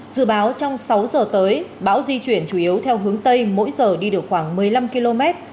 dự báo trong sáu giờ tới bão di chuyển chủ yếu theo hướng tây mỗi giờ đi được khoảng một mươi năm km